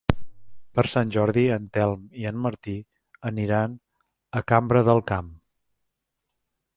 Per Sant Jordi en Telm i en Martí aniran a Cabra del Camp.